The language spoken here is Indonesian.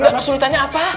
anak anak kesulitannya apa